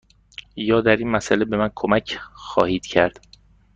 یا در این مسأله به من کمک خواهید کرد؟